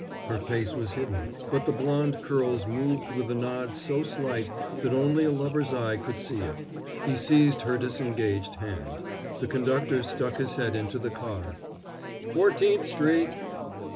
Her face was hidden, but the blond curls moved with a nod so slight that only a lover's eye could see it. He seized her disengaged hand. The conductor stuck his head into the car. "Fourteenth street!"